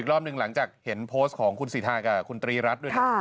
รอบหนึ่งหลังจากเห็นโพสต์ของคุณสิทากับคุณตรีรัฐด้วยนะ